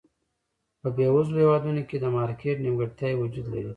په بېوزلو هېوادونو کې د مارکېټ نیمګړتیاوې وجود لري.